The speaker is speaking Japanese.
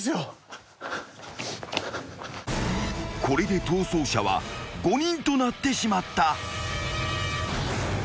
［これで逃走者は５人となってしまった］